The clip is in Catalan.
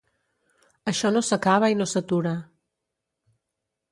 Això no s’acaba i no s’atura.